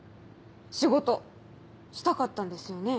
仕事したかったんですよね？